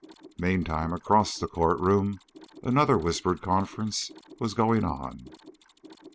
Meantime, across the court room, another whispered conference was going on.